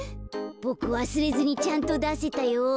ボクわすれずにちゃんとだせたよ。